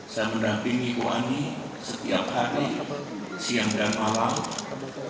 saya mendampingi ibu ani setiap hari siang dan malam